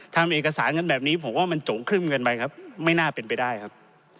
ทำเอกสารกันแบบนี้ผมว่ามันโจ๋งครึ่มเกินไปครับไม่น่าเป็นไปได้ครับ